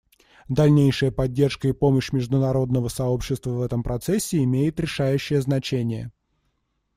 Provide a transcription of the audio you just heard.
Дальнейшая поддержка и помощь международного сообщества в этом процессе имеет решающее значение.